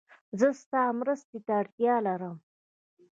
زه ستا مرستې ته اړتیا لرم